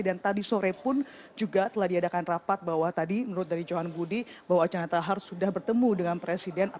dan tadi sore pun juga telah diadakan rapat bahwa tadi menurut dari johan budi bahwa archandra thakar sudah bertemu dengan presiden